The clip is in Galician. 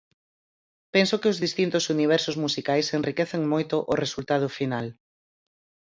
Penso que os distintos universos musicais enriquecen moito o resultado final.